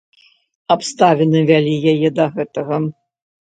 Абставіны вялі яе да гэтага.